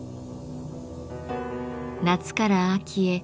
夏から秋へ。